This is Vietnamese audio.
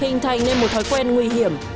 hình thành nên một thói quen nguy hiểm